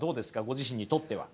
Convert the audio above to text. ご自身にとっては。